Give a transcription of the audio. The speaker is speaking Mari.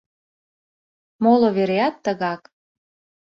Моло вереат тыгак.